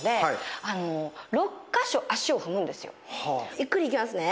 ゆっくりいきますね。